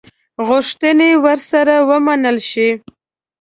غوښتني ورسره ومنلي شي.